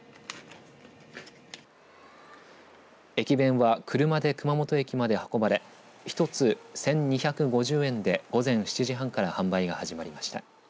駅弁は車で熊本駅まで運ばれ１つ１２５０円で午前７時半から販売が始まりました。